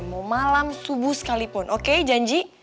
mau malam subuh sekalipun oke janji